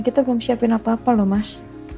kita belum siapin apa apa loh mas